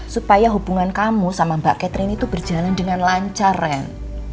supaya hubungan kamu sama mbak catherine itu berjalan dengan lancar ren